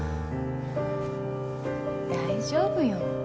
大丈夫よ。